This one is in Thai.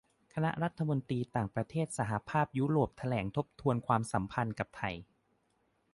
คณะรัฐมนตรีต่างประเทศสหภาพยุโรปแถลงทบทวนความสัมพันธ์กับไทย